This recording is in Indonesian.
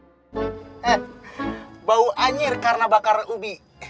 eh bau anjir karena bakar ubi